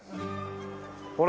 ほら。